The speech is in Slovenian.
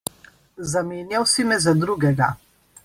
Zamenjal si me za drugega.